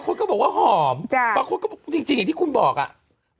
ต้นจีนเต็ดมันเหม็นค่ะบางคนก็บอกว่าหอมจริงจริงที่คุณบอกอ่ะ